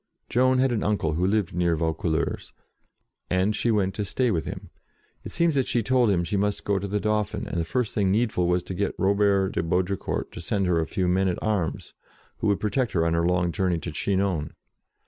Joan had an uncle who lived near Vau couleurs, and she went to, stay with him. It seems that she told him she must go to the Dauphin, and the first thing need ful was to get Robert de Baudricourt to lend her a few men at arms, who would protect her on her long journey to Chinon.